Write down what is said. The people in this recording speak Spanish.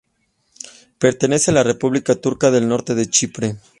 Pertenece a la República Turca del Norte de Chipre.